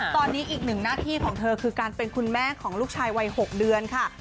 ตอนนี้อีกหนึ่งหน้าที่ของเธอคือการเป็นคุณแม่ของลูกชายวัย๖เดือนค่ะ